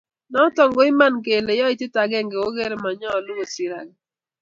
Nito ko iman, kele yaitiet agenge keker komonyolu kosir age?